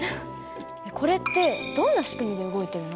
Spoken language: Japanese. これってどんな仕組みで動いてるの？